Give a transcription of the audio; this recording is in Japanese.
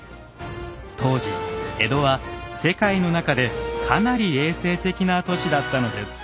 当時江戸は世界の中でかなり衛生的な都市だったのです。